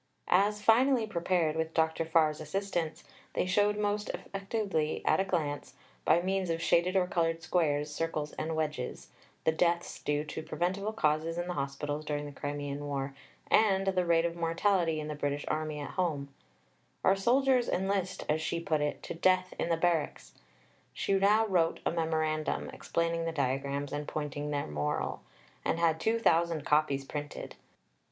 As finally prepared with Dr. Farr's assistance, they showed most effectively at a glance, by means of shaded or coloured squares, circles and wedges, (1) the deaths due to preventable causes in the Hospitals during the Crimean War, and (2) the rate of mortality in the British Army at home: "our soldiers enlist," as she put it, "to Death in the Barracks." She now wrote a memorandum, explaining the diagrams and pointing their moral, and had 2000 copies printed.